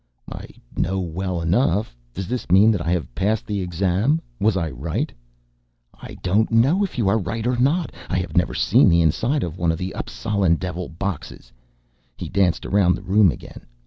"I know well enough. Does this mean that I have passed the exam? Was I right?" "I don't know if you are right or not. I have never seen the inside of one of the Appsalan devil boxes." He danced around the room again.